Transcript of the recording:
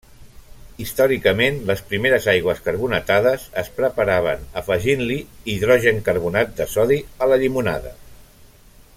Històricament, les primeres aigües carbonatades es preparaven afegint-li hidrogencarbonat de sodi a la llimonada.